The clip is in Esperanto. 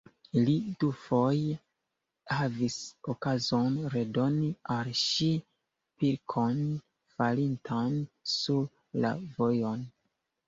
Li dufoje havis okazon redoni al ŝi pilkon falintan sur la vojon.